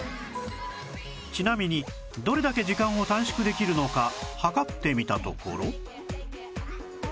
ちなみにどれだけ時間を短縮できるのか計ってみたところ